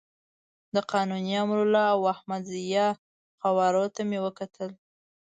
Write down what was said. د قانوني، امرالله او احمد ضیاء قوارو ته مې کتل.